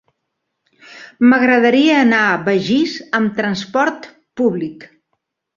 M'agradaria anar a Begís amb transport públic.